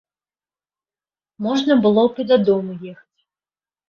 Можна было і дадому ехаць.